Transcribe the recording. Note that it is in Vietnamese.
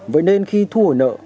vậy nên khi thu hồi nợ